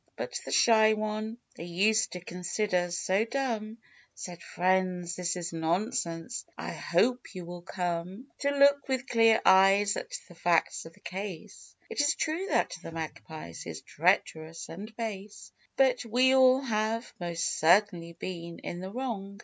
But the Shy One they used to consider so dumb, Said, " Friends, this is nonsense ! I hope you will come THE OLD MAGPIE. 109 To look with clear eyes at the facts of the case. It is true that the Magpie is treacherous and base, But we all have, most certainly, been in the wrong!